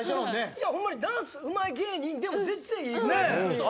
いやホンマにダンスうまい芸人でも全然いいぐらいの。